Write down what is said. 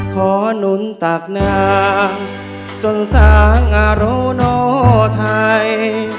หนุนตากนางจนสร้างอาโรโนไทย